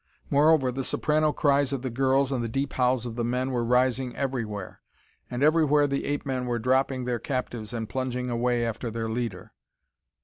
Moreover, the soprano cries of the girls and the deep howls of the men were rising everywhere, and everywhere the ape men were dropping their captives and plunging away after their leader.